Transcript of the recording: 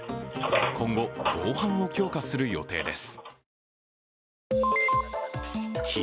今後、防犯を強化する予定です。